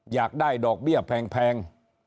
อยากได้ดอกเบี้ยแพง